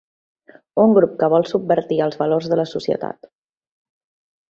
Un grup que vol subvertir els valors de la societat.